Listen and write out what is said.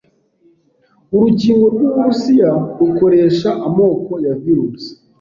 Urukingo rw'Uburusiya rukoresha amoko ya virusi